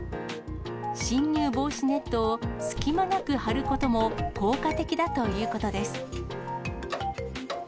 侵入防止ネットを隙間なく張ることも効果的だということです。